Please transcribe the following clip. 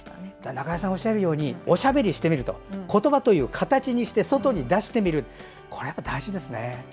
中江さんがおっしゃるようにおしゃべりしてみると言葉という形にして外に出してみるこれは大事ですね。